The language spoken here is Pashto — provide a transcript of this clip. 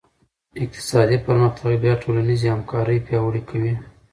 اقتصادي پرمختګ بیا ټولنیزې همکارۍ پیاوړې کوي.